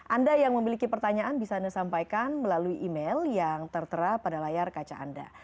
anda yang memiliki pertanyaan bisa anda sampaikan melalui email yang tertera pada layar kaca anda